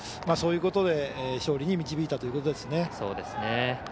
そういうことで勝利に導いたということですね。